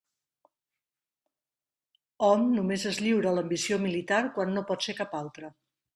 Hom només es lliura a l'ambició militar quan no pot ser cap altra.